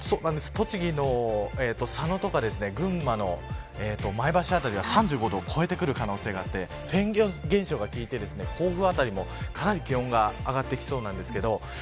栃木の佐野とか群馬の前橋辺りは３５度を超えてくる可能性があってフェーン現象が効いて甲府辺りもかなり気温が上がってきそうなんですけど。